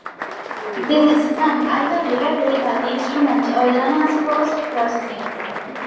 This is done either directly by the instrument, or done as post-processing.